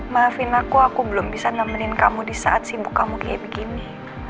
maafin aku aku belum bisa nemenin kamu di saat sibuk kamu kayak begini